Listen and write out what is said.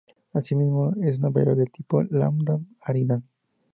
Asimismo es una variable de tipo Lambda Eridani.